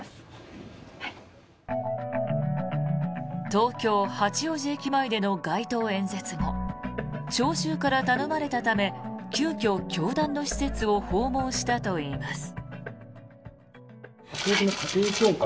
東京・八王子駅前での街頭演説後聴衆から頼まれたため急きょ、教団の施設を訪問したといいます。